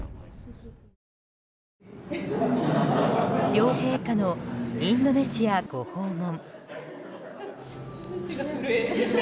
両陛下のインドネシアご訪問。